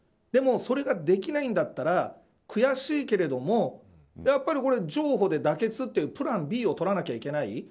でも、それができないんだったら悔しいけれどもやっぱり譲歩で妥結っていうプランＢを取らなきゃいけない。